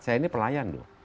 saya ini pelayan loh